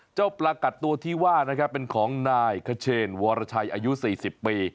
เจ้าปรากฏตัวที่ว่าเป็นของนายเขชเช่นวรชัยอายุ๔๐ปี